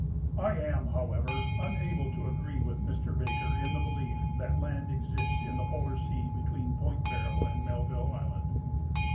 I am, however, unable to agree with Mr Baker in the belief that land exists in the polar sea between point Barrow and Melville island.